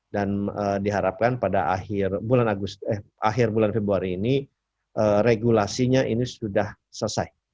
dan diharapkan pada akhir bulan februari ini regulasinya ini sudah selesai